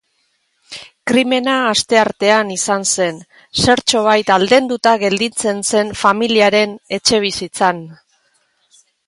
Krimena asteartean izan zen, zertxobait aldenduta gelditzen zen familiaren etxebizitzan.